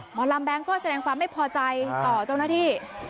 หมอลำแบงค์ก็แสดงความไม่พอใจต่อเจ้าหน้าที่